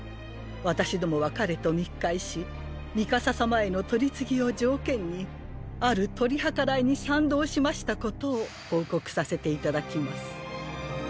私どもは彼と密会しミカサ様への取り次ぎを条件にある取り計らいに賛同しましたことを報告させていただきます。